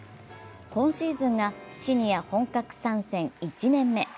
今シーズンがシニア本格参戦１年目